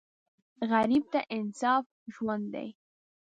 غریب ته انصاف ژوند دی